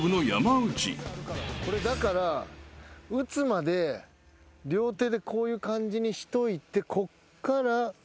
これだから打つまで両手でこういう感じにしといてこっから。